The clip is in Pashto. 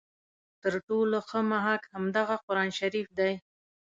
تر ټولو ښه محک همدغه قرآن شریف دی.